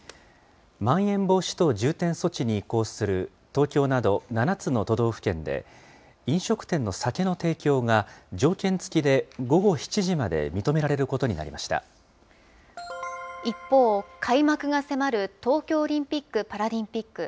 まん延防止等重点措置に移行する、東京など７つの都道府県で、飲食店の酒の提供が条件付きで午後７時まで認められることになり一方、開幕が迫る東京オリンピック・パラリンピック。